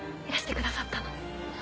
いらしてくださったの？